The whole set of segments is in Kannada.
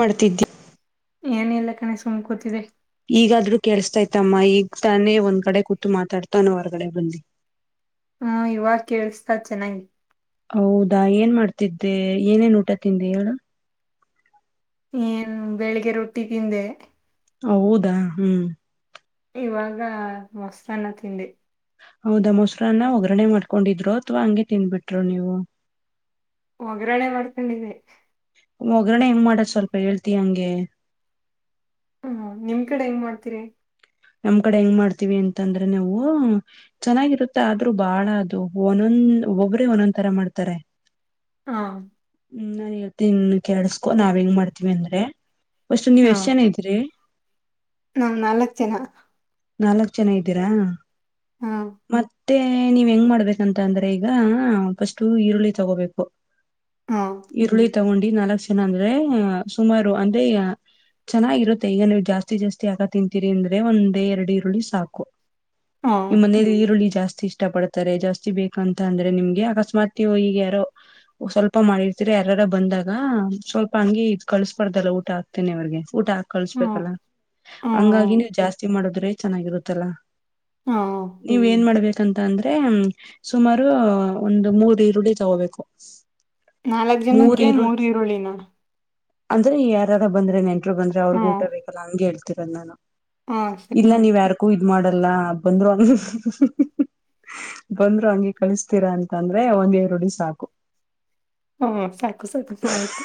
ಮಾಡ್ತಿದ್ದೆ ಏನ ಇಿಲ್ಲ ಕಣೆ ಸುಮ್ ಕೂತಿದೆ ಈಗಾದ್ರೂ ಕೇಳಸ್ತಾ ಇ್ತಮ್ಮ ಈಗ ತಾನೇ ಒಂದ್ ಕಡೆ ಕೂತು ಮಾತಾಡ್ತಾನೋ ಹೊರ್ಗಡೆ ಬಂದಿ ಹ [inaudible] ಹ್ಮ ಇವಾಗ ಕೇಳಿಸತಾ ಚೆನ್ನಾಗಿ ಹೌದಾ ಏನ್ ಮಾಡ್ತಿದ್ದೆ ಏನೇನ್ ಊಟ ತಿಂದೆ ಹೇಳು ಏನ್ ಬೆಳಿಗ್ಗೆ ರೊಟ್ಟಿ ತಿಂದೆ ಹ ಹೌದಾ ಹ್ಮ್ ಇವಾಗ ಮೊಸರು ಅನ್ನ ತಿಂಡಿ ಹೌದಾ ಮೊಸರನ್ನ ಒಗ್ಗರಣೆ ಮಾಡ್ಕೊಂಡಿದ್್ರರು ಅಥವಾ ಹಂಗೆ ತಿನ್ಟ್ರು ನೀವು ಒಗ್ರರಣೆ ಮಾಡ್ಕೊಂಡಿದೆ ಒಗ್ಗರಣೆ ಹೆಂಗ್ ಮಾಡದ ಸ್ವಲ್ಪ ಹೇಳ್ತಿ ಹಂಗೆ ಹ್ಮ ನಿಮ್ ಕಡೆ ಹೆಂಗ್ ಮಾಡ್ತೀರಿ ನಮ್ ಕಡೆ ಹೆಂಗ್ ಮಾಡ್ತೀವಿ ಅಂತಂದ್ರೆ ನಾವು ಚೆನ್ನಾಗಿರುತ್ತೆ ಆದ್ರರು ಬಾಳ ಅದು ಒಂದೊಂದ ಹ್ಮ ಒಬ್ಬ್ರೇ ಒಂದೊಂದ್ ತರ ಮಾಡ್ತಾರೆ ಹಾ ಹ್ಮ ನಾನ್ ಇವತ್ತ ಇನ್ ಕೆೇಳಸ್ಕೊ ನಾವ್ ಹೆಂಗ್ ಮಾಡ್ತೀವಿ ಅಂದ್ರೆ ಬಸ್ು ನೀವ್ ಎಷ್ಟ್ ಜನ ಇದ್ರರಿ ನಾ್ ನಾಲ್ಕ್ ಜನ ನಾಲ್ಕ್ ಜನ ಇದ್ದೀರಾ ಹಾ ಮತ್ತೆ ನೀವ್ ಹೆಂಗ್ ಮಾಡ್ಬೇಕಂತ ಅಂದ್ರೆ ಈಗ ಫಸ್ಟ್ು ಈರುಳ್ಳಿ ತಗೋಬೇಕು ಹ ಈರುಳ್ಳಿ ತಗೊಂಡಿ ನಾಲ್ಕು ಜನ ಅಂದ್ರೆ ಸುಮಾರು ಅಂದ್ರೆ ಚೆನ್ನಾಗಿರುತ್ತೆ ಈಗ ನೀವು್ ಜಾಸ್ತಿ ಜಾಸ್ತಿ ಆಗ ತಿಂತೀರಿ ಅಂದ್ರೆ ಒಂದ್ ಎರಡು ಈರುಳ್ಳಿ ಸಾಕು ಹ ನಿ ಮನೇ ಈರುಳ್ಳಿ ಜಾಸ್ತಿ ಜಾಸ್ತಿ ಇಷ್ಟ ಪಡ್ತಾರೆ ಜಾಸ್ತಿ ಬೇಕು ಅಂತ ಅಂದ್ರೆ ನಿಮ್ಗೆ ಅಕಸ್ಮಾತ್ೋಗ ಈಗ ಯಾರೋ ಸ್ವಲ್ಪ ಮಾಡಿರ್ತರ ಯಾರಾರ ಬಂದಾಗ ಸ್ವಲ್ಪ ಹಂಗಿ ಇ ಕಳಿಸಬಾರ್ದಲ್ಲ ಊಟ ಹಾತನೆ ಅವ್ರಿಗೆ ಊಟ ಹಾ ಹ ಕಳ್ಸ್ಬೇಕಲ್ಲ ಹ ಹಂಗಾಗಿ ನೀವು್ ಜಾಸ್ತಿ ಮಾಡುದ್ರೆ ಚೆನ್ನಾಗಿರುತ್ತಲ್ಲ ಹ ನೀವ ಏನ್ ಮಾಡ್ಬೇಕ ಯಂತ ಅಂದ್ರೆ ಸುಮಾರು ಒಂದು ಮೂರ್ ಈರುಳ್ಳಿ ತಗೋಬೇಕು ನಾಲ್ಕ್ ಜನಕ್ಕೆ ಮೂರ್ ಈರುಳ್ಳಿನ ಅಂದ್ರೆ ಯಾರಾರ ಬಂದ್ರೆ ನೆಂಟರು ಬಂದ್ರೆ ಅವ್ರಗೂ ಊಟ ಬೇಕಲ್ಲ ಹಂಗೆ ಹೇಳ್ತಿರ್ ನಾನು ಹಾ ಇಲ್ಲ ನೀವ್ ಯಾರ್ಕ್ಕು ಇದ್ ಮಾಡಲ್ಲ ಬಂದ್ರು ಅಂದ ಬಂದ್ರು ಹಂಗಗೆ ಕಳಿಸತೀರ ಅಂತಂದ್ರೆ ಒಂದ್ ಈರುಳ್ಳಿ ಸಾಕು ಹಾ ಸಾಕು ಸಾಕು ಚ ಆಯ್ತು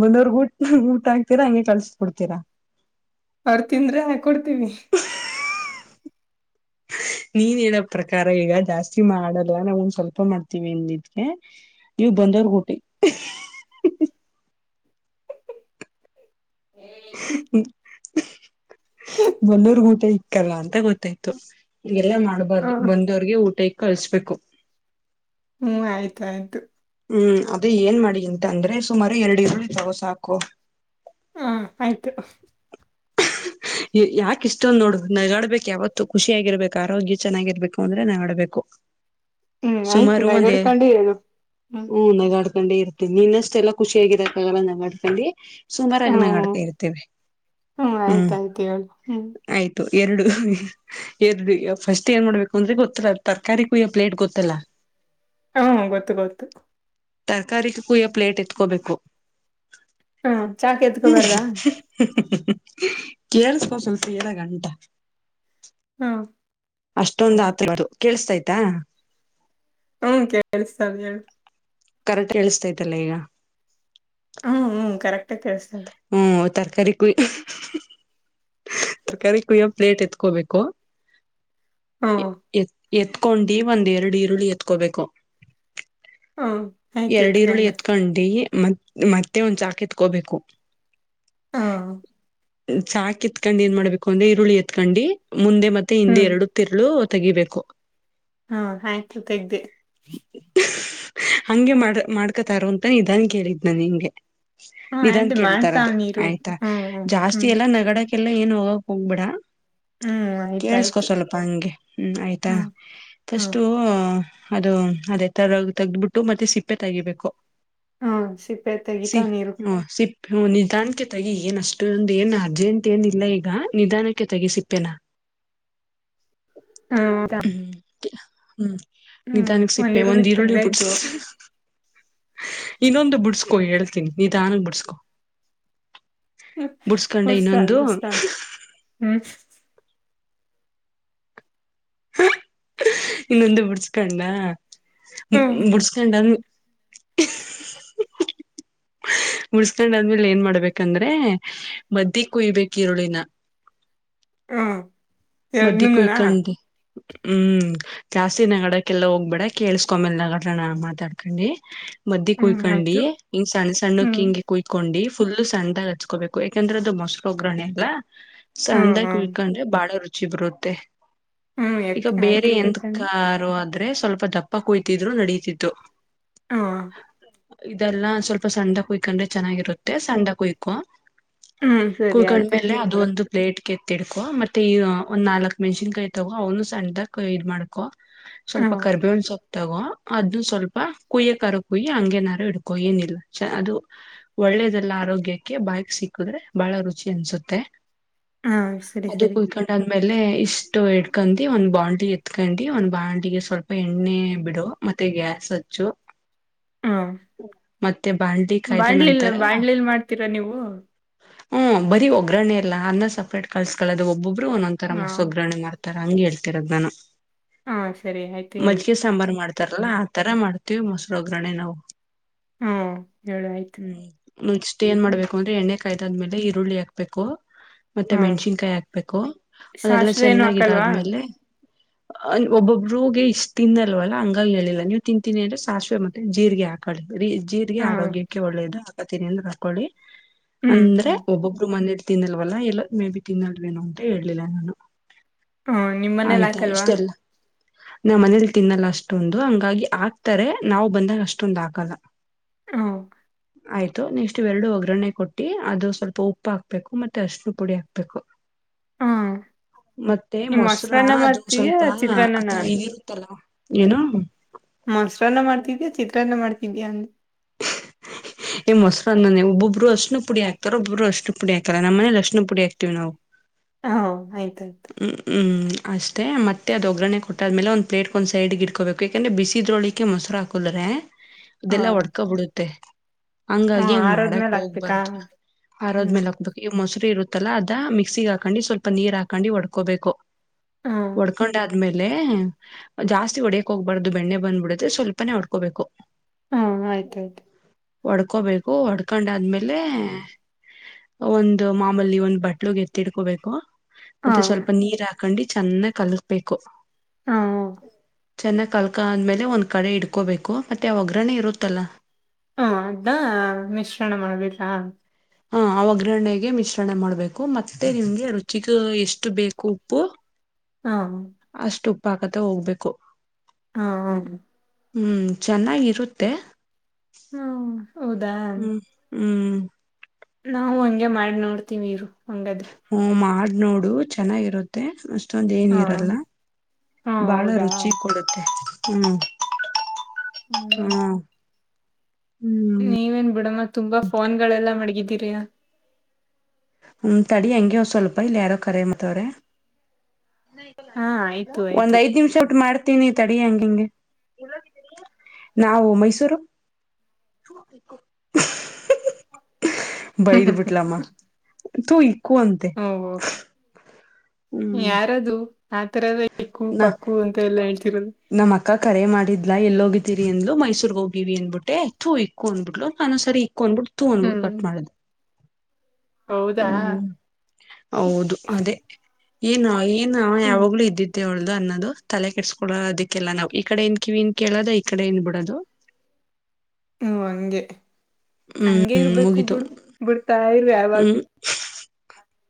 ಬಂದವರಿಗೆ ಊಟ್ ಊಟ ಆ ಕೊಡ್ತೀರಾ ಹಂಗೆ ಕಳ್ಸ್ಬಡ್ತೀರಾ ಅವರು ತಿಂದ್ರೆ ಆ ಕೊಡ್ತೀನಿ ಹ್ಮ ನೀನ್ ಹೇಳೋ ಪ್ರಕಾರ ಈಗ ಜಾಸ್ತಿ ಮಾಡಲ್ ನಾವೊಂದ್ ಸ್ವಲ್ಪ ಮಾಡ್ತೀವಿದಗೆ ನೀವು ಬಂದವರಿಗೆ ಊಟ ಬಂದವರಿಗೆ ಊಟ ಇಕ್ಕಲ್ಲ ಅಂತ ಗೊತ್ತಾಯ್ತು ಹಾಗೆಲ್ಲ ಹ ಮಾಡ್ಬಾರ್ದು ಬಂದವ್ರಿಗೆ ಊಟ ಇಕ್ಕಿ ಕಳ್ಸ್ಬೇಕು ಹ್ಮ್ ಆಯ್ತಾಯ್ತು ಹ್ಮ್ ಅದೇ ಏನ್ ಮಾಡಿ ಅಂತ ಅಂದ್ರೆ ಸುಮಾರು ಎರಡು ಇರುಳ ಇದ್ದಾವ ಸಾಕು ಹಾ ಆಯ್ತು ಯಾಕ ಇಷ್ಟೊಂದ್ ನೋಡ ನಾ ಆಡ್ಬೇಕಕ್ ಯಾವತ್ತು ಖುಷಿಯಾಗಿರ್ಬೇಕ ಆರೋಗ್ಯ ಚೆನ್ನಾಗಿರ್ಬೇಕು ಅಂದ್ರೆ ನಾ ಆಡ್ಬೇಕು ಹ್ಮ್ ಆಯ್ತು ಸುಮಾರವದ ನಗಡ್ಕೊಂಡು ಹೇಳು ಹ್ಮ್ ಹ ನಗ ಕೊಂಡೆ ಇರುತ್ತ ನಿನ್ನಷ್ಟೆ ಎಲ್ಲ ಖುಷಿಿಯಗಿದೆಕ್ಕಾಗಲ್ಲ ನ ಮಾಡ್ಕೊಂಡಿ ಹ್ಮ್ ಸುಮಾರುಾಗಿನಡ್ತಾ ಇರ್ತೇವೆ ಹ್ಮ್ ಹ್ಮ್ ಆಯ್ತು ಎರಡು ಎರಡು ಫಸ್ಟ್ ಏನ್ ಮಾಡ್ಬೇಕು ಅಂದ್ರೆ ಗೊತ್ತಲ್ಲ ತರಕಾರಿ ಕೊಯ್ಯ ಪ್ಲೇಟ್ ಗೊತ್ತಲ್ಲಾ ಹ ಹಾ ಗೊತ್ತು ಗೊತ್ತು ತರಕಾರಿ ಕುಯ್ಯೋ ಪ್ಲೇಟ್ ಎತ್ಕೋಬೇಕು ಹ್ಮ ಚಾಕ್ ಎತ್ಕ ಬರದಾ ಕೇಳಿಸ್ಕೋ ಸ್ವಲ್ಪ ಹೇಳೋ ಗಂಟ ಹಾ ಅಷ್ಟೊಂದ್ ಆತ ಕೇಳಿಸತಯ್ತಾ ಹ್ಮ ಕೇಳಿಸ್ತಾರೆ ಹೇಳಿ ಕರೆಕ್ಟ್ ಹೇಳಸ್ತೈತಲ್ಲ ಈಗ ಹ್ಮ್ ಹ್ಮ್ ಕರೆಕ್ ಕಳಸತಾರೆ ಹ್ಮ್ ತರಕಾರಿ ಕೊಯ ತರಕಾರಿ ಕೊಯ್ಯೋ ಪ್ಲೇಟ್ ಎತ್ಕೋಬೇಕು ಹ್ಮ್ ಎತ್ ಎತ್ಕೊಂಡಿ ಒಂದ್ ಎರಡು ಈರುಳ್ಳಿ ಎತ್ಕೋಬೇಕು ಹ್ಮ್ ಆಯ್ತು ಎರಡು ಈರುಳ್ಳಿ ಎತ್ಕೊಂಡೆ ಎತ್ಕೊಂಡಿ ಮತ್ ಮತ್ತೆ ಒಂದ್ ಚಾಕ ಎತ್ಕೋಬೇಕು ಹಾ ಚಾಕ ಇತ್ಕಂಡು ಏನ್ ಮಾಡ್ಬೇಕು ಅಂದ್ರೆ ಈರುಳ್ಳಿ ಎತ್ಕೊಂಡಿ ಮುಂದೆ ಮತ್ತೆ ಹಿಂದೆ ಹ್ಮ್ ಎರಡು ತಿರುಳು ತೆಗಿಬೇಕು ಹಾ ಆಯ್ತು ತೆಗ್ದಿ ಹಂಗೆ ಮಾಡ ಮಾಡ್ಕತಾರ ಅಂತ ನಿಧಾನ್ ಕೇಳಿದ್ನ ನಿಂಗೆ ಹ್ಮ್ ನಿಧನ್ ಆಯ್ತು ಕೇಳ್ತಾರದು ಮಾಡ್ತಾವ್ನಿ ಇರು ಆಯ್ತಾ ಹ್ಮ್ ಹ್ಮ್ ಜಾಸ್ತಿ ಹ್ಮ್ ಎಲ್ಲಾ ನಗಡಕ್ಕೆಲ್ಲ ಏನ್ ಹೋಗಕ್ ಹೋಗ್ಬಿಡ ಹ್ಮ್ ಕೇೇಳಸ್ಕೊ ಆಯ್ತಾಯ್ತು ಸ್ವಲ್ಪ ಹಂಗೆ ಹ್ಮ್ ಆಯ್ತಾ ಹ್ಮ್ ಹ್ಮ್ ಸ್ು ಅದು ಅದೇ ತರ ತೆಗ್ದ್ಬಿಟ್ಟು ಮತ್ತೆ ಸಿಪ್ಪೆ ತೆಗಿಬೇಕು ಹಾ ಸಿಪೆ ತಗಿತಾವ ನೀರು ಹ ನಿಧಾನಕ್ಕೆ ತಗಿ ಏನ್ ಅಷ್ಟೊಂದು ಏನು ಅರ್ಜೆಂಟ್ ಏನ್ ಇಿಲ್ಲ ಈಗ ನಿಧಾನಕ್ಕೆ ತಗಿ ಸಿಪ್ಪೇನಾ ಹಾದ ಹ್ಮ್ ಹ್ಮ್ ನಿಧಾನಕ್ ಸಿಪ್ಪೆ ಒಂದ್ ಈರುಳ್ಳಿ ಬಿುಡ್ಸ ಇನ್ನೊಂದು ಬುಡ್ಸ್ಕೊ ಹೇಳ್ತೀನಿ ನೀ ತಾನು ಬುಡ್ಸ್ಕೊ ಬುಡ್ಸ್ಕೊಂಡ ಮುಡ್ಸ್ತಾಳ ಇನ್ನೊಂದು ಮುಡ್ಸ್ತಾಳ ಹ್ಮ್ ಇನ್ನೊಂದು ಬಿುಡ್ಸ್ಕೊಂಡ ಹ್ಮ್ ಬುಡ್ಸ್ಕೊಂಡಂದ ಮುಡ್ಸ್ಕೊಂಡ ಆದ್ಮೇಲೆ ಏನ್ ಮಾಡ್ಬೇಕಂದ್ರೆ ಮದ್ದಿ ಕುಯ್ಬೇಕಕ್ ಈರುಳಿನ ಹಾ ಮದ ಕುಳ್ಕಂಡ ಹ್ಮ್ ಜಾಸ್ತಿ ನಗಡಕ್ಕೆಲ್ಲ ಹೋಗ್ಬೇಡ ಕೇಳಸ್ಕೊ ಮೇಲ್ ನಗಡ್ ನ ಮಾತಾಡ್ಕಿ ಮದ್ದ ಹ್ಮ್ ಕುಯ್ಕೊಂಡಿ ಆಯ್ತು ಹಿಂಗ ಸಣ್ಣ ಸಣ್ಣಕ್ ಹ್ಮ್ ಹಿಂಗೆ ಕುಯ್ಕೊಂಡಿ ಫುಲ್ು ಸಣ್ಣಾಗಿ ಹಚ್ಕೋಬೇಕು ಯಾಕಂದ್ರೆ ಅದು ಮೊಸರು ಒಗ್ಗರಣೆ ಎಲ್ಲ ಹ್ಮ್ ಸಣ್ಣಾಗಿ ಹ್ಮ್ ಉಯ್ಕೊಂಡ್ರೆ ಬಾಳ ರುಚ ರುಚಿ ಬರುತ್ತೆ ಹ್ಮ್ ಈಗ ಎತ್ ಬೇರೆ ಆಯ್ತು ಎಂತ ಕುಯ್ಕಂಡು ಕಾರು ಅ ಆದ್ರೆ ಸ್ವಲ್ಪ ದಪ್ಪ ಕುಯ್ತಿದ್ರು ನಡೀತಿತ್ತು ಹಾ ಇದೆಲ್ಲ ಸ್ವಲ್ಪ ಸಣ್ಣ ಕುಯ್ಕೊಂಡ್ರೆ ಚೆನ್ನಾಗಿರುತ್ತೆ ಸಣ್ಣ ಕುಯ್ಕು ಹ್ಮ್ ಸರಿ ಆಯ್ತು ಕುಳ್ಕಣ್ಮೇಲೆ ಕುಯ್ ಅದು ಒಂದು ಪ್ಲೇಟ್ಗೆ ಎತ್ತಿಡ್ಕೊ ಮತ್ತೆ ಈ ಒಂದು ನಾಲ್ಕು ಮೆಣಸನ್ಕಾಯಿ ತಗೋ ಅವನು ಸಣ್ಣದಾಗ ಇದು ಮಾಡ್ಕೊ ಹಾ ಸ್ವಲ್ಪ ಕರ್ಬೆ ಒಂದಸೊ ತಗೋ ಅದನ್ನು ಸ್ವಲ್ಪ ಕುಯ್ಯೋ ರ ಕುಯಿ ಹಂಗನಾರ ಹಡ್ಕೋ ಏನಿಲ್ಲ ಅದು ಒಳ್ಳ ಒಳ್ಳೆದೆಲ್ಲ ಆರೋಗ್ಯಕ್ಕೆ ಬಾಯಕ್ ಸಿಕ್ಕುದ್ರೆ ಬಹಳ ರುಚಿ ಅನ್ಸುತ್ತೆ ಹಾ ಸರಿ ಸರಿ ಆಮೇಲೆ ಇಷ್ಟು ಇಡ್ಕೊಂಡು ಒಂದ್ ಬಾಂಡಟ್ಲಿ ಎತ್ಕೊಂಡು ಒಂದ್ ಬಾಂಡಲಿಗೆ ಸ್ವಲ್ಪ ಎಣ್ಣೆ ಬಿಡು ಮತ್ತೆ ಗ್ಯಾಸ್ ಹ್ಚ್ಚು ಹ ಮತ್ತೆ ಬಾಳ್ಡಿ ಕಾಯ್ದ ನಂತರ ಮಾಡ್ತೀರಾ ನೀವು ಹ್ಮ್ ಬರಿ ಒಗ್ಗರಣೆ ಇಲ್ಲ ಅನ್ನ ಸಪ್ರೇಟ್ ಕಳ್ಸ್ಕಳೋದು ಒಬೊಬ್ರು ಒಂದೊಂದಂರ ಹಾ ಮಸ್ಸ ಒಗರಣೆ ಮಾಡ್ತಾರೆ ತರ ಹಂಗ ಹೇಳ್ತಿರೋ್ ನಾನು ಹಾ ಸರಿ ಆಯ್ತು ಹೇಳಿ ತರ್ಲ್ಲಾ ಆತರ ಮಾಡ್ತೀವಿ ಮೊಸರು ಒಗರಣೆ ನಾವು ಹ್ಮ ಹೇಳು ಆಯ್ತು ಹ್ಮ್ ನಷ್ಟಟ್ ಏನ್ ಮಾಡ್ಬೇಕು ಅಂದ್ರೆ ಎಣ್ಣೆ ಕಾಯದಾದ್ಮೇಲೆ ಈರುಳ್ಳಿ ಹಾಕ್ಬೇಕು ಮತ್ತೆ ಹಾ ಮೆಣ್ಸಿನ್ಕಾಯಿ ಹಾಕ್ಬೇಕು ಅದೆಲ್ಲಾ ಸಾಸಿವೆ ಏನು ಚೆನ್ನಾಗಿದೆ ಹಾಕಲ್ವಾ ಆದ್ಮೇಲೆ ಒಬ್ಬೊಬ್ಬಗೆ ಇಷ್ಟ್ ತಿಿಂದಲ್ವಲ್ಲ ಹಂಗಲ್ ಹೇಳಿಲ್ಲ ನೀವು ತಿಂತೀನಿ ಅಂದ್ರೆ ಸಾಸಿವೆ ಮತ್ತೆ ಜೀರಿಗೆ ಹಾಕೊಳ್ಳಿ ಜೀರ್ಗೆ ಹಾ ಆರೋಗ್ಯಕ್ಕೆ ಒಳ್ಳೇದು ಹಾಕತೀನಿ ಅಂದ್ರೆ ಹಾಕೊಳ್ಳಿ ಹ್ಮ್ ಅಂದ್ರೆ ಆಯ್ತು ಒಬ್ಬೊಬ್ರು ಮಂದ ತಿನ್ನಲ್ವಲ್ಲ ಇಲ್ಲ ಮೇ ಬಿ ತಿನ್ನಲ್ವೇನು ಅಂತ ಹೇಳಲಿಲ್ಲ ನಾನು ಹಾ ನಿಮ್ಮ ಮನೇಲ್ಲ ಆಯ್ತಾ ಹಾಕಲ್ವಾ ಇಷ್ಟೆಲ್ಲ ನಾವ್ ಮನೇಲಿ ತಿನ್ನಲ್ಲ ಅಷ್ಟೊಂದು ಹಂಗಾಗಿ ಆಕ್ತಾರೆ ನಾವ್ ಬಂದಾಗ ಅಷ್ಟೊಂದ್ ಹಾಕಲ್ಲ ಹ ಆಯ್ತು ನೆಕ್ಸ್ಟ್ ಎರಡು ಒಗ್ಗರಣೆ ಕೊಟ್ಟಿ ಅದು ಸ್ವಲ್ಪ ಉಪ್ಪು ಹಾಕ್ಬೇಕು ಮತ್ತೆ ಅಶ್ಣ ಪುಡಿ ಹಾಕ್ಬೇಕು ಹಾ ಮತ್ತೆ ಮೊಸರ ಮೊಸರನ್ನ ಅದು ಮಾಡ್ತೀಯಾ ಸ್ವಲ್ಪ ಚಿತ್ರಾನ್ನನ ಅಥವಾ ಹಗಿರುತ್ತಲ್ಲ ಏನು ಮೊಸರನ್ನ ಮಾಡ್ತಿದೀಯ ಚಿತ್ರಾನ್ನ ಮಾಡ್ತಿದ್ಯಾ ಅಂದ ಏ ಮೊಸರ ಮನೆ ಒಬ್ಬೊಬ್ಬರು ಅಶ್ನ ಪುಡಿ ಹಾತಾರ ಒಬಬ್ರು ಅರಿಸಿನ ಪುಡಿ ಹಾತಾರ ನಮ್ಮನೇಲಿ ಅರ್ಷಣ ಪುಡಿ ಹಾಕ್ತೀವಿ ನಾವು ಹಾ ಆಯ್ತು ಹ್ಮ್ ಹ್ಮ್ ಅಷ್ಟೇ ಮತ್ತೆ ಅದು ಒಗ್ಗರಣೆ ಕೊಟ್ಟಾದ್ಮೇಲೆ ಒಂದು ಪ್ಲೇಟ್ ಒಂದು ಸೈಡ ಇಟ್ಕೋಬೇಕು ಯಾಕೆಂದ್ರರೆ ಬಿಸಿದ್ರೊಳಿಕ್ಕೆ ಮೊಸರು ಹಾಕಲ್ರೆ ಹಾ ಅದೆಲ್ಲ ಹೊಡ್ಕೊಬ ಬಿಡುತ್ತೆ ಹಾ ಹಂಗಾಗಿ ಹೆಂಗ ಮಾಡಕ್ ಆರೋದ್ಮೇಲೆ ಹಾಕ್ಬೇಕಾ ಹೋಗ್ಬಾರ್ದು ಹ್ಮ್ ಆರದ್ಮೇಲೆ ಹಾಕ್ಬೇಕ ಈ ಮೊಸರು ಇರುತ್ತ ತ್ತ ಅದ ಮಿಕ್ಸಿಗೆ ಹಾಕೊಂಡು ಸ್ವಲ್ಪ ನೀರ್ ಹಾಕೊಂಡು ಒಡ್ಕೋಬೇಕು ಹ್ಮ್ ಒಡ್ಕೊಂಡ ಆದ್ಮೇಲೆ ಜಾಸ್ತಿ ಹೊಡೆಯಕ್ ಹೋಗ್ಬಾರ್ದು ಬೆಣ್ಣೆ ಬಂದ್ಬಿಡಿದ್ರೆ ಸ್ವಲ್ಪನೆೇ ಹೊಡ್ಕೋಬೇಕು ಹ್ಮ ಆಯ್ತಾಯ್ತು ಒಡ್ಕೋಬೇಕು ಒಡ್ಕೊಂಡಾದ್ಮೇಲೆ ಒಂದು ಮಾಮೂಲಿ ಒಂದು ಬಟ್ಲುಗೆ ಎತ್ತಿಡ್ಕೋಬೇಕು ಹಾ ಮತ್ತೆ ಸ್ವಲ್ಪ ನೀರ್ ಹಾಕೊಂಡು ಚೆನ್ನಾಗಿ ಕಲ್ಕ್ಬೇಕು ಹಾ ಚೆನ್ನಾಗ್ ಕಳ್ಕ ಆದ್ಮೇಲೆ ಒಂದ್ ಕಡೆ ಇಡ್ಕೋಬೇಕು ಮತ್ತೆ ಆ ಒಗ್ಗ್ರರಣೆ ಇರುತ್ತಲ್ಲ ಹ್ಮ ಅದ್ದ ಮಿಶ್ರಣ ಮಾಡ್ದಿಲ್ಲಾ ಹಾ ಆ ಒಗ್ಗರಣೆಗೆ ಮಿಶ್ರಣ ಮಾಡ್ಬೇಕು ಮತ್ತೆ ನಿಮ್ಗೆ ರುಚಿಗ ಎಷ್ಟು ಬೇಕು ಉಪ್ಪು ಹಾ ಪಾಕತ ಹೋಗ್ಬೇಕು ಹ್ಮ ಹ್ಮ ಹ್ಮ್ ಚೆನ್ನಾಗಿರುತ್ತೆ ಹಾ ಹೌದಾ ಹ್ಮ್ ಹ್ಮ್ ನಾವು ಹಂಗೆ ಮಾಡಿ ನೋಡ್ತೀವಿ ಇವರು ಹಓ ಮಾಡ್ ನೋಡು ಚೆನ್ನಾಗಿರುತ್ತೆ ಅಷ್ಟೊಂದ ಏನ ಹಾ ಇರಲ್ಲ ಹಾ ಬಹಳ ಹೌದಾ ರುಚಿ ಕೊಡುತ್ತೆ ಹ್ಮ್ ಹ್ಮ್ ಹ್ಮ್ ನೀವೇನ್ ಬಿಡಮ್ಮ ತುಂಬಾ ಫೋನ್ ಗಳೆಲ್ಲಾ ಮಡಗಿದ್ದೀರಿಯ ಹ್ಮ ತಡಿ ಹೆಂಗಗೆವ ಸ್ವಲ್ಪ ಇಲ್ಲ ಯಾರೋ ಕರ ಮತ್ತವ್ರೆ ಹಾ ಆಯ್ತು ಒಂದ್ ಆಯ್ತು ಐದ್ ನಿಮಿಷ ಒಟ್ಟು ಮಾಡ್ ಹತೀನಿ ತಡಿ ಹಂಗಂಗೆ ನಾವು ಮೈಸೂರು [unintelligible] ಬಯದು ಬಿಟ್ಟಲಮ್ಮ ತು ಇಕ್ಕೂ ಅಂತೆ ಓ ಹ್ಮ್ ಯಾರದು ಆ ತರದ ಇಕ್ಕು ನಾ ಪಕ್ಕು ಅಂತ ಎಲ್ಲ ಹೇಳ್ತಿರೋದು ಇದೀರಿ ಅಂದ್ಲು ಮೈಸೂರ್ಗ್ ಹೋಗಿವವಿ ಅಂದಬಿಟ್ಟ ಹೆಚ್ಚುಕ್ಕ್ಕು ಅಂದ್ಬಿಟ್ ಕನೋಸರಿ ಡ್ಬಿಡ್ ತು ಅಂದ್ಬಿಟ್ಟಡು ಹ್ಮ್ ಕಟ್ ಮಾಡ್ ಹೌದಾ ಹ್ಮ್ ಹೌದು ಅದೇ ಏನು ನು ಹ್ಮ್ ಯಾವಾಗ್ಲೂ ಇದ್ದಿದ್ದೆ ಅವಳ್ದು ಅನ್ನೋದು ತಲೆ ಕೆಟ್ಸ್ಕೊಳ್ಳೋದಕ್ಕೆಲ್ಲ ನಾವವು ಈ ಕಡೆ ಏನ್ ಕಿವಿ ನ್ ಕೇಳೋದು ಈ ಕಡೆ ಏನ್ ಬಿಡೋದು [inaudible] ಹ್ಮ ಹಂಗೆ ಹಂಗೆ ಹ್ಮ್ ಇರ್ಬೇಕು ಮುಗೀತು ಬಿಡು ಬಿಡ್ತಾ ಇರ್ ಯಾವಾಗ್ಲೂ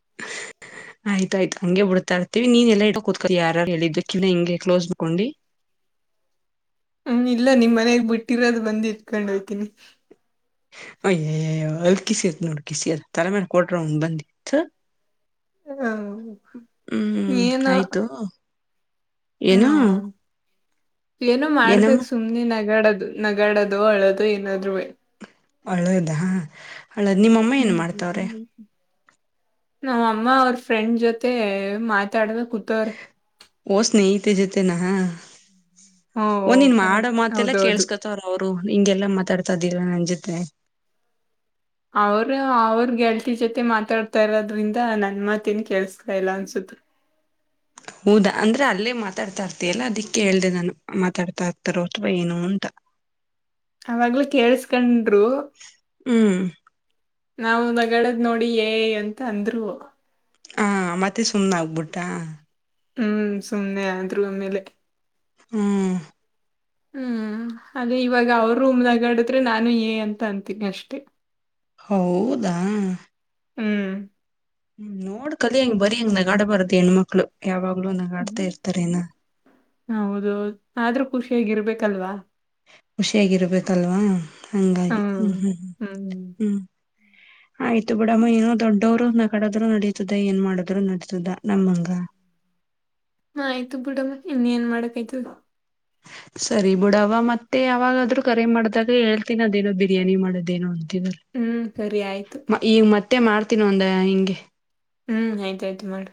[inaudible] ಆಯ್ತಾಯ್ ಹಂಗೆ ಬಿಡ್ತಾ ಇರ್ತತಿವಿ ನೀನ್ ಎಲ್ಲ ಇತ್ಕ ಯಾರ ಹೇಳಿದ್ದ ಕಿ ಹಂಗೆ ಕ್ಲೋಸ್ ಮಾಡ್ಕೊಂಡಿ [inaudible] ಹ್ಮ್ ಇಲ್ಲ ನಿಮ್ ಮನಗ್ ಬಿಟ್ಟಿರೋದು ಬಂದ ಇಟ್ಕೊಂಡ್ ಹೋಗತೀನಿ ಅಯ್ಯಏ ಅಲ್ ಕಿಸಿ ಅತ್ ನೋಡ ಕಿಸಿ ಅದ ತಲೆಮೇಲೆ ಕೊಟ್ರ ಅವಂಗ ಬಂದಿತ್ ಹ್ಮ್ ಹ್ಮ್ ಏನೋ ಆಯ್ತು ಏನ ಹ್ಮ್ ಏನೋ ಮಾಡ್ಬೇಕಕ್ ಸುಮ್ನೆ ನಗಾಡದು ನಗಾಡೋದು ಅಳೋದು ಏನಾದ್ ಹಳದ ಹಾ ಹಳದ್ ನಿಮ್ಮಮ್ಮ ಏನ್ ಮಾಡ್ತವ್ರೆ ನಾವ ಅಮ್ಮ ಅವ್ರ ಫ್ರೆಂಡ್ ಜೊತೆ ಮಾ ತಡ್ಮೆ ಕುತರ್ ಮತ್ತೇನಾ ಹ ಹ್ಮ್ ಒಂದಿನ್ ಮಾಡೋ ಕರೆಕ್ಟ್ ಮಾತಲ್ಲ ಹೌದೌದು ಕೇಳ್ಸ್ಕೊತವ್ರ ಅವ್ರು ಹಿಂಗೆಲ್ಲಾ ಮಾತಾಡ್ತಾದಿಲ್ಲ ನನ್ ಜೊತೆ ಅವರು ಅವ್ರ ಗೆಲ್ತಿ ಜೊತೆ ಮಾತಾಡ್ತಾ ಇರೋದ್ರಿಂದ ನನ್ ಮತ್ ನ್ ಕೇಳ್ಸ್ತಾ ಇಲ್ಲ ಅನ್ಸುತ್ತ [inaudible] ಹೌದಾ ಅಂದ್ರೆ ಅಲ್ಲೇ ಮಾತಾಡ್ತಾ ಇರ್ತಯ ಎಲ್ಲ ಅದಿಕ್ಕೆ ಹೇಳೇಳ್ದ ನಾನು ಮಾತಾಡ್ತಾ ಇರ್ತಾರೋ ಅಥವಾ ಏನು ಅಂತ [inaudible] ಅವವಾಗ್ಲ ಕೇಳಸ್ಕಂಡರು ಹ್ಮ್ ನಾವು ನಗಡದ್ ನೋಡಿ ಏ ಅಂತ ಅಂದ್ರು ಹಾ ಮತ್ತೆ ಸುಮ್ನೆ ಆಗ್ಬಿಟ್ಟಾ ಹ್ಮ್ ಸುಮ್ಮನೆ ಆದ್ರು ಆಮೇಲೆ ಹ್ಮ್ ಹ್ಮ್ ಅದೇ ಇವಾಗ ಅವ್ರ ರೂಮ್ನಗಾಡಿದ್ರೆ ನಾನು ಏ ಅಂತ ಅಂತೀನಿ ಅಷ್ಟೆ ಹೌದಾ ಹ್ಮ್ ಹ್ಮ್ ನೋಡ್ ಕಲಿ ಹೆಂಗ್ ಬರಿ ಹಂಗ್ ನಗಾಡ ಬಾರದದು ಹೆಣ್ಮಕ್ಳು ಯಾವಾಗ ನಾಗ ಆಡ್ತಾ ಹ್ಮ್ ಇರ್ತಾರ ನ ಹೌದು ಆದ್ರೂ ಖುಷಿಯಾಗಿರ್ಬೇಕಲ್ವಾ ಖುಷಿಯಾಗಿರ್ಬೇಕಲ್ವಾ ಹಂಗಾಗಿ ಹ್ಮ್ ಹ್ಮ್ ಹ್ಮ್ ಹ್ಮ್ ಆಯ್ತು ಬಿಡಮ್ಮ ಏನೋ ದೊಡ್ಡವ್ರು ಕಡದ್ರು ನಡೀತದ ಏನ್ ಮಾಡದ್ರು ನಡತದ ನಮ್ಮಂಗ ಹ ಆಯ್ತು ಬಿಡಮ್ಮ ಇನ್ ಏನ್ ಮಾಡಕ್ ಆಯ್ತು ಹ ಸರಿ ಬಿಡ ಅವವ ಮತ್ತೆ ಯಾವಾಗಾದ್ರೂ ಕರೆ ಮಾಡ್ದಾಗ ಹೇಳ್ತೀನಿ ಅದೇನು ಬಿರಿಯಾನಿ ಮಾಡದೇನು ಹ್ಮ್ ಸರಿ ಆಯ್ತು ಅ ಈಗ ಮತ್ತೆ ಮಾಡ್ತೀನ ಒಂದ ಹಿಂಗೆ ಹ್ಮ್ ಆಯ್ತಾಯ್ತು ಮಾಡಿ